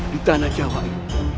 di tanah jawa ini